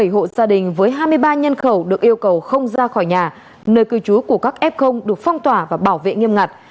bảy mươi hộ gia đình với hai mươi ba nhân khẩu được yêu cầu không ra khỏi nhà nơi cư trú của các f được phong tỏa và bảo vệ nghiêm ngặt